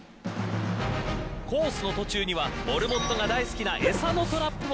コースの途中にはモルモットが大好きな餌のトラップも。